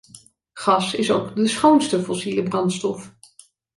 Gas is ook de schoonste fossiele brandstof.